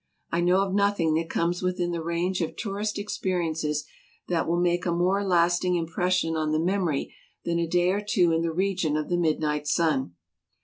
I know of nothing that comes within the range of tourist experiences that will make a more lasting impression on the memory than a day or two in the region of the midnight sun.